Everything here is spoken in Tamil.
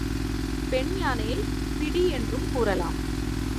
பெண் யானையைப் பிடி என்றும் கூறலாம்.